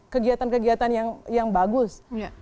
kegiatan kegiatan yang bagus